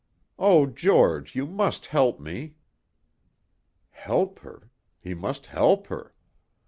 "Oh George, you must help me." Help her! He must help her!